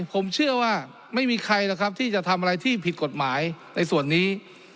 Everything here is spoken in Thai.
ผมเชื่อว่าไม่มีใครหรอกครับที่จะทำอะไรที่ผิดกฎหมายในส่วนนี้